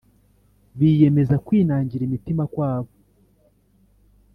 Biyemeza kwinangira imitima kwabo